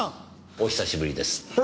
お久しぶりです。